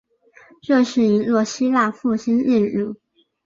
这是一座希腊复兴建筑。